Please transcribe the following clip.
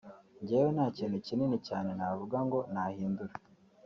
Njyewe nta kintu kinini cyane navuga ngo nahindura